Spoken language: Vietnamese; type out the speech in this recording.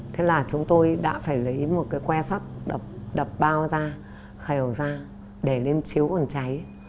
thế là chúng tôi đã phải lấy một cái que sắt đập bao ra hầu ra để lên chiếu ẩn cháy